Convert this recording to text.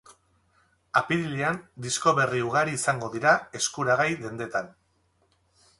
Apirilean disko berri ugari izango dira eskuragai dendetan.